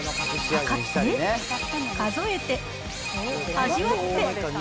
量って、数えて、味わって。